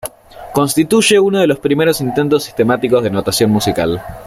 Constituye uno de los primeros intentos sistemáticos de notación musical.